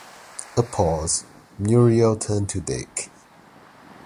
A pause — Muriel turned to Dick.